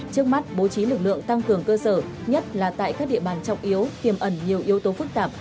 trước mắt bố trí lực lượng tăng cường cơ sở nhất là tại các địa bàn trọng yếu tiềm ẩn nhiều yếu tố phức tạp